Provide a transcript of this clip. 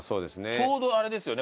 ちょうどあれですよね